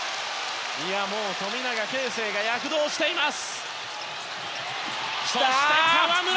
富永啓生が躍動しています。